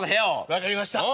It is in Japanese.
分かりました。